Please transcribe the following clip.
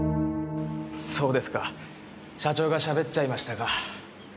そうですか社長がしゃべっちゃいましたか。